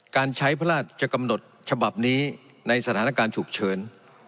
การใช้พระราชกรรมนตรบริหารฉบับนี้ในสถานการณ์ฉุกเฉิน